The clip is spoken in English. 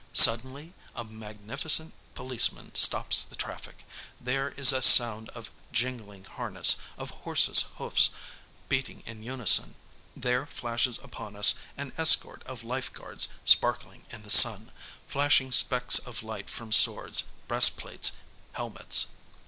Suddenly a magnificent policeman stops the traffic; there is a sound of jingling harness, of horses' hoofs beating in unison. There flashes upon us an escort of Life Guards sparkling in the sun, flashing specks of light from swords, breastplates, helmets.